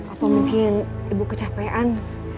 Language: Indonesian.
apa mungkin ibu kecapean